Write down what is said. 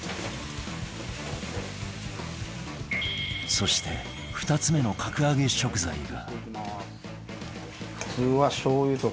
そして２つ目の格上げ食材が